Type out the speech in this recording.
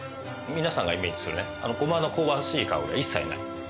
皆さんがイメージするごまの香ばしい香りは一切ない。